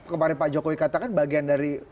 kemarin pak jokowi katakan bagian dari